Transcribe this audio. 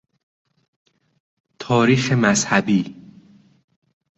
تاریخ مذهبی